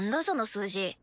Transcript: その数字。